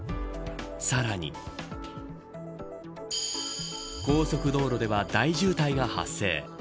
さらに高速道路では大渋滞が発生。